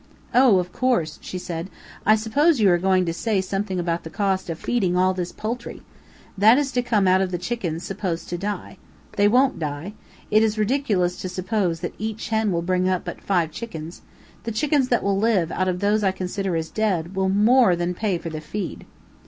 "Oh, of course," she said, "I suppose you are going to say something about the cost of feeding all this poultry. That is to come out of the chickens supposed to die. They won't die. It is ridiculous to suppose that each hen will bring up but five chickens. The chickens that will live, out of those I consider as dead, will more than pay for the feed."